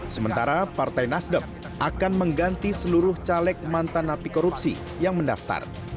sementara partai nasdem akan mengganti seluruh caleg mantan api korupsi yang mendaftar